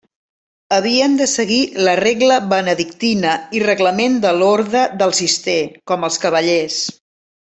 Havien de seguir la regla benedictina i reglament de l'Orde del Cister, com els cavallers.